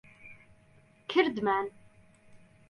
کردمان.